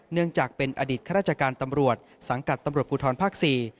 เนื่องจากเป็นอดีตข้าราชการตำรวจสังกัดตำรวจภูทรภาค๔